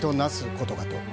ことかと。